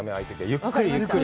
ゆっくりゆっくり。